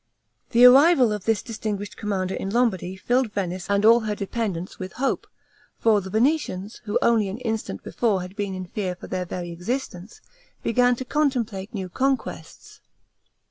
The arrival of this distinguished commander in Lombardy filled Venice and all her dependencies with hope; for the Venetians, who only an instant before had been in fear for their very existence, began to contemplate new conquests.